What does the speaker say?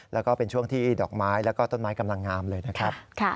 แล้วก็เป็นช่วงที่ดอกไม้แล้วก็ต้นไม้กำลังงามเลยนะครับ